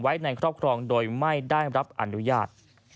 ในครอบครองโดยไม่ได้รับอนุญาต